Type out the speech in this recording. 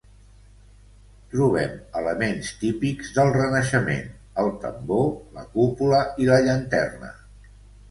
Trobem elements típics del Renaixement: el tambor, la cúpula i la llanterna.